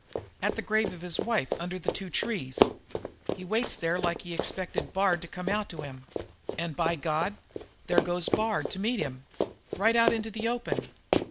"At that grave of his wife under the two trees. He waits there like he expected Bard to come out to him. And, by God, there goes Bard to meet him right out into the open."